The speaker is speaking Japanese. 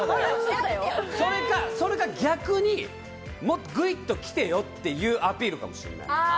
それか逆に、もっとぐいっと来てよというアピールかもしれない。